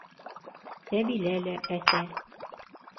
Сәбилә лә әсә.